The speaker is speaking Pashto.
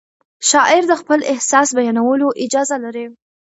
شاعر د خپل احساس بیانولو اجازه لري.